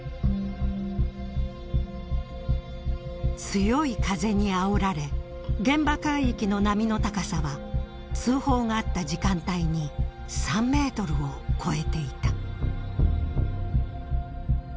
強い風にあおられ現場海域の波の高さは通報があった時間帯に３メートルを超えていた。